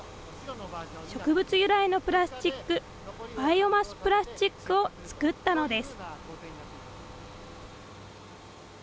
植物由来のプラスチック、バイオマスプラスチックを作ったのです。